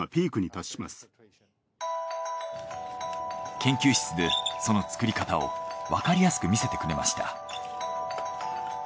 研究室でその作り方をわかりやすく見せてくれました。